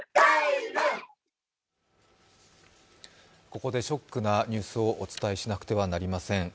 ここでショックなニュースをお伝えしなければなりません。